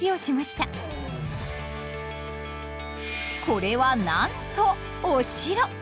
これはなんとお城！